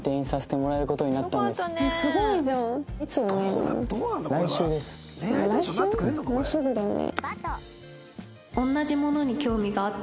もうすぐだね。